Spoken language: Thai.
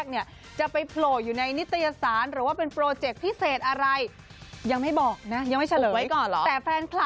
มาจากความรู้สึก